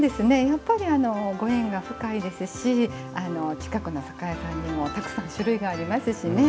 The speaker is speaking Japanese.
やっぱりご縁が深いですし近くの酒屋さんにもたくさん種類がありますしね。